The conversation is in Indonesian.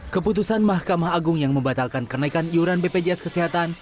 keputusan mahkamah agung yang membatalkan kenaikan iuran bpjs kesehatan